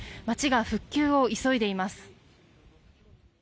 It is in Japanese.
街が復旧を急いでいます。